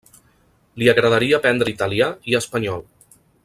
Li agradaria aprendre italià i espanyol.